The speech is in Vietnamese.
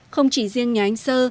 không chỉ riêng nhà anh sơ